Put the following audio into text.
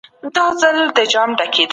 تاسو به د ذهني تمرکز لپاره هڅه کوئ.